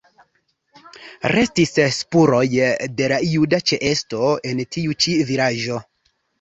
Restis spuroj de la juda ĉeesto en tiu ĉi vilaĝo.